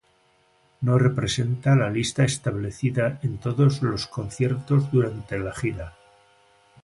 No representa la lista establecida en todos los conciertos durante la gira.